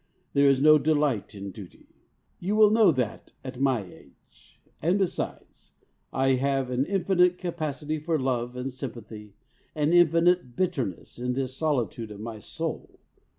There is no delight in duty. You will know that at my age. And besides, I have an infinite capacity for love and sympathy, an infinite bitterness in this solitude of my soul.